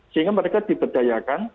sehingga mereka diberdayakan